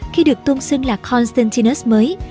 khi được tôn xưng là constantinus mới